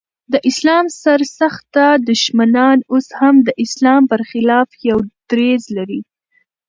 د اسلام سر سخته دښمنان اوس هم د اسلام پر خلاف يو دريځ لري.